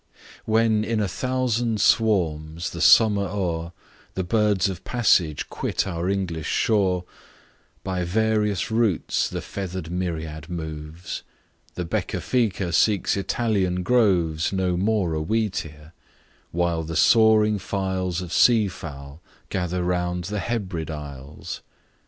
WHEN in a thousand swarms, the summer o'er, The birds of passage quit our English shore, By various routs the feather'd myriad moves; The Becca Fica seeks Italian groves, Page 58 No more a Wheat ear ; while the soaring files Of sea fowl gather round the Hebrid isles.